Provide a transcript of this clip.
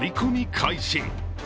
開始。